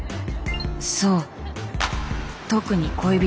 そう特に恋人。